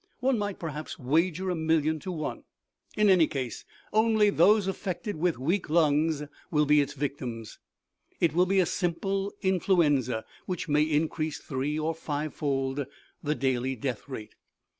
One might perhaps wager a million to one. In any case, only those affected with weak lungs will be victims. It will be a simple influ enza, which may increase three or five fold the daily death rate.